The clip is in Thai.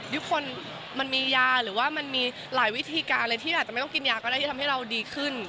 ทุกคนมันมียาหรือว่ามันมีหลายวิธีการอะไรที่อาจจะไม่ต้องกินยาก็ได้ที่ทำให้เราดีขึ้น